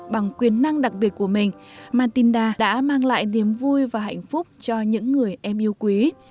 bằng quyền năng đặc biệt của mình matinda đã mang lại niềm vui và hạnh phúc cho những người em yêu quý